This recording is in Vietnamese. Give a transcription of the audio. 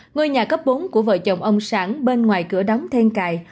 ngôi nhà cấp bốn của vợ chồng ông sản bên ngoài cửa đóng then cài